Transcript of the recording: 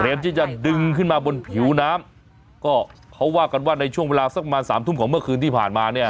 ที่จะดึงขึ้นมาบนผิวน้ำก็เขาว่ากันว่าในช่วงเวลาสักประมาณสามทุ่มของเมื่อคืนที่ผ่านมาเนี่ย